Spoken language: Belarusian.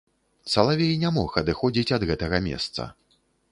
Салавей не мог адыходзіць ад гэтага месца.